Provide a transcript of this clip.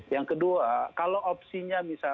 yang kedua kalau opsinya misalnya